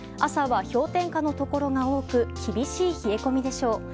朝は氷点下のところが多く厳しい冷え込みでしょう。